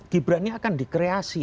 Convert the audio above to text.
gibran ini akan dikreasi